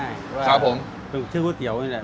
มาให้ลูกค้าจำร้านง่ายง่ายครับผมเป็นชื่อหัวเตี๋ยวนี่แหละ